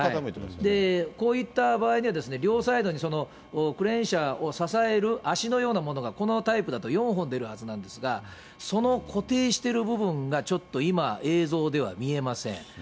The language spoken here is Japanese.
こういった場合には、両サイドにクレーン車を支える脚のようなものがこのタイプだと４本出るはずなんですが、その固定してる部分がちょっと今、映像では見えません。